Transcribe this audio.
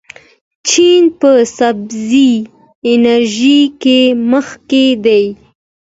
چین په سبزې انرژۍ کې مخکښ دی.